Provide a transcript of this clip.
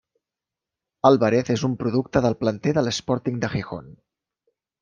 Álvarez és un producte del planter de l'Sporting de Gijón.